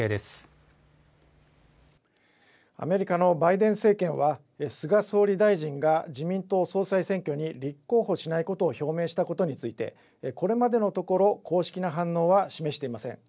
アメリカのバイデン政権は、菅総理大臣が自民党総裁選挙に立候補しないことを表明したことについて、これまでのところ公式な反応は示していません。